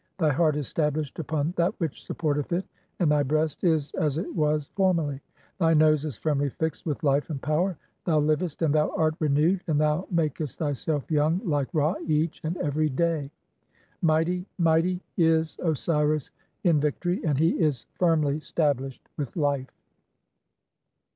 "Thy heart is stablished upon that which supporteth it, and thy "breast is as it was formerly ; thy nose is firmly fixed with life "and power, thou livest, and thou art renewed, and thou makest "thyself (19) young like Ra each and every day. Mighty, mighty "is Osiris in victory, and he is firmly stablished with life."